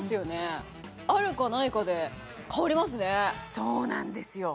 そうなんですよ